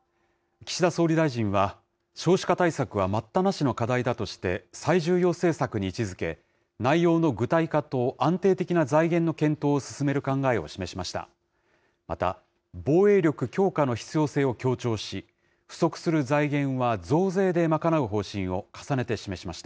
岸田総理大臣は、少子化対策は待ったなしの課題だとして、最重要政策に位置づけ、内容の具体化と安定的な財源の検討を進める考えを示しました。